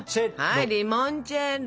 はいリモンチェッロ！